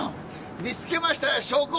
見つけましたよ証拠！